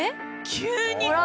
急に。